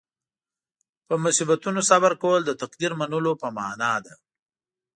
په مصیبتونو صبر کول د تقدیر منلو په معنې ده.